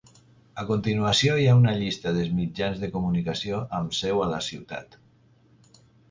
A continuació hi ha una llista dels mitjans de comunicació amb seu a la ciutat.